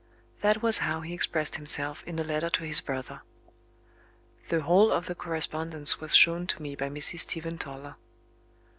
That was how he expressed himself in a letter to his brother. The whole of the correspondence was shown to me by Mrs. Stephen Toller.